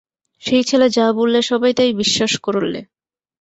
সেই ছেলে যা বললে সবাই তাই বিশ্বাস করলে।